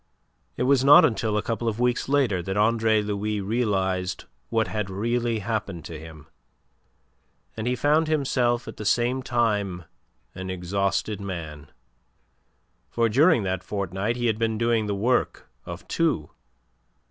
It was not until a couple of weeks later that Andre Louis realized what had really happened to him, and he found himself at the same time an exhausted man, for during that fortnight he had been doing the work of two.